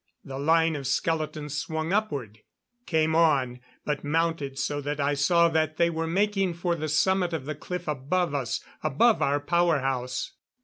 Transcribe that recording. The line of skeletons swung upward. Came on, but mounted so that I saw that they were making for the summit of the cliff above us above our power house.